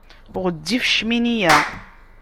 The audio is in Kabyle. Ɣezzif ccmini-ya.